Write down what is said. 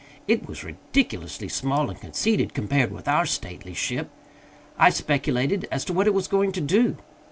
It was ridiculously small and conceited, compared with our stately ship. I speculated as to what it was going to do.